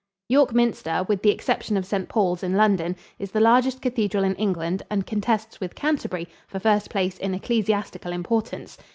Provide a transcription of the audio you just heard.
York Minster, with the exception of St. Paul's in London, is the largest cathedral in England and contests with Canterbury for first place in ecclesiastical importance.